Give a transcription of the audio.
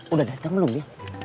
udah datang belum ya